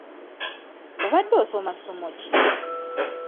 Obadde osoma ssomo ki?